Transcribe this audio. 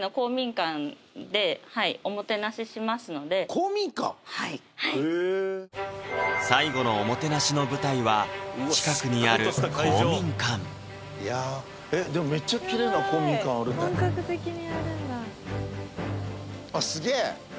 公民館⁉はい最後のおもてなしの舞台は近くにある公民館えっでもめっちゃきれいな公民館ある本格的にやるんだ